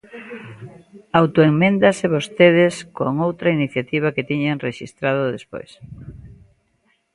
Autoeméndase vostedes con outra iniciativa que tiñan rexistrado despois.